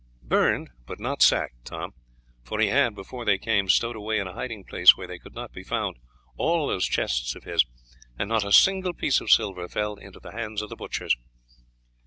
"Burned, but not sacked, Tom; for he had, before they came, stowed away in a hiding place where they could not be found all those chests of his, and not a single piece of silver fell into the hands of the butchers."